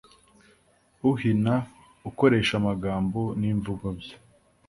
uhina akoresha amagambo n’imvugo bye